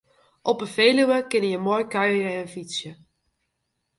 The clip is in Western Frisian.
Op 'e Feluwe kinne jo moai kuierje en fytse.